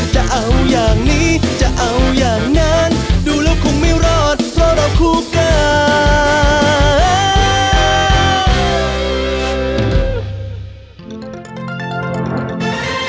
จะเอาอย่างนี้จะเอาอย่างนั้นดูแล้วคงไม่รอดเพราะเราคู่กัน